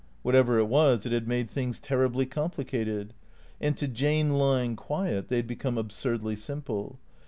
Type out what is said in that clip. Whatever it was, it had made things terribly complicated. And to Jane lying quiet they had become absurdly simple.